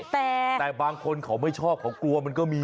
แต่บางคนเขาไม่ชอบเขากลัวมันก็มี